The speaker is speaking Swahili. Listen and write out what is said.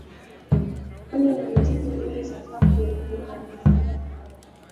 pwani ina muziki mwingi sakafu ya ngoma na faragha kidogo